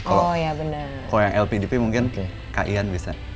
kalau yang lpdp mungkin k satu bisa